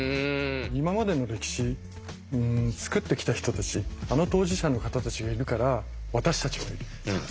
今までの歴史作ってきた人たちあの当事者の方たちがいるから私たちがいる。